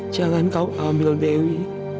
jangan kau ambil dewi